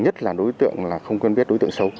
đối tượng nhất là đối tượng không quân biết đối tượng xấu